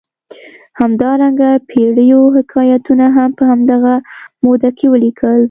همدارنګه پېړیو حکایتونه هم په همدغه موده کې ولیکل.